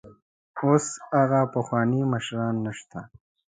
اوس هغه پخواني مشران نشته.